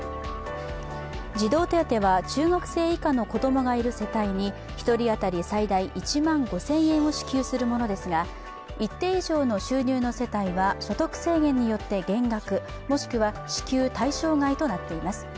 児童手当は中学生以下の子供がいる世帯に１人当たり最大１万５０００円を支給するものですが一定以上の収入の世帯は所得制限によって減額、もしくは支給対象外となっています。